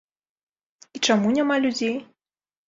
І чаму няма людзей?